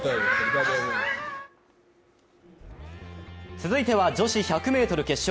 続いては女子１００ｍ決勝。